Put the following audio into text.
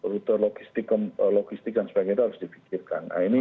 rute logistik dan sebagainya itu harus dipikirkan